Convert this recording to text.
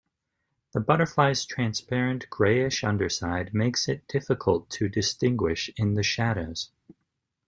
The butterflies transparent greyish underside makes it difficult to distinguish in the shadows.